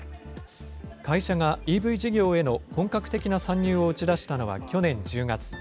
会社がＥＶ事業への本格的な参入を打ち出したのは去年１０月。